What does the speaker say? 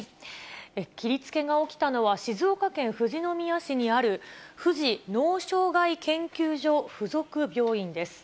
切りつけが起きたのは、静岡県富士宮市にある富士脳障害研究所附属病院です。